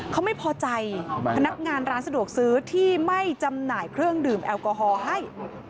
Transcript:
เขาไม่พอใจพนักงานร้านสะดวกซื้อที่ไม่จำหน่ายเครื่องดื่มแอลกอฮอล์ให้